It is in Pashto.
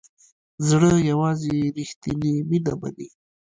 زړه یوازې ریښتیني مینه مني.